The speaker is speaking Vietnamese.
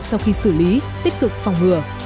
sau khi xử lý tích cực phòng ngừa